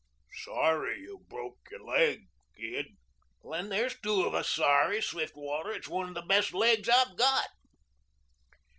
"Sorry you broke your laig, Gid." "Then there's two of us sorry, Swiftwater. It's one of the best laigs I've got."